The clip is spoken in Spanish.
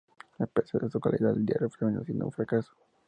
A pesar de su calidad, el diario terminó siendo un fracaso.